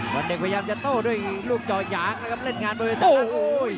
วันเด็กพยายามจะโต้ด้วยลูกจอหยางนะครับเล่นงานโบราณศัตริย์โอ้โอ้ย